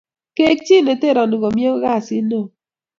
Keek chi neterani komnye ko kasit neo.